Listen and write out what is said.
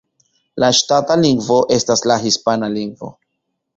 La ŝtata lingvo estas la hispana lingvo.